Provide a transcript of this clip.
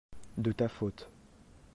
de ta faute.